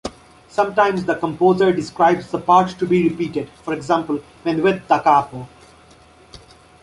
Sometimes the composer describes the part to be repeated, for example: "Menuet da capo".